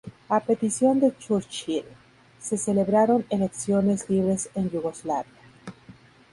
A petición de Churchill, se celebraron elecciones libres en Yugoslavia.